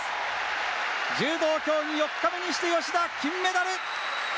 柔道競技４日目にして吉田金メダル！